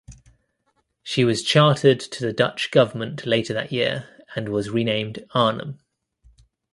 She was chartered to the Dutch government later that year and was renamed Arnhem.